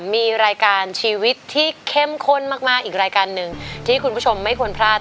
มีรายการชีวิตที่เข้มข้นมากมากอีกรายการหนึ่งที่คุณผู้ชมไม่ควรพลาด